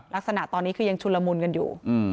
ลักษณะตอนนี้คือยังชุนละมุนกันอยู่